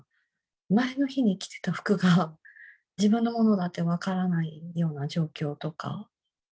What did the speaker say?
前の日に着てた服が、自分のものだって分からないような状況とか。